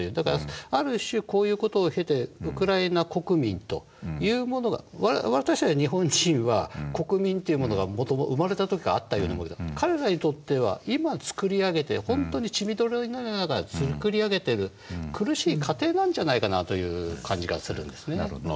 だからある種こういう事を経てウクライナ国民というものが私たち日本人は「国民」というものが生まれた時からあったように思うけれど彼らにとっては今つくり上げて本当に血みどろになりながらつくり上げている苦しい過程なんじゃないかなという感じがするんですね。